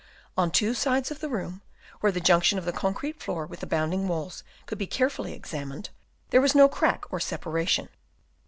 On two sides of the room, where the junction of the concrete floor with the bounding walls could be carefully examined, there was no crack or separation.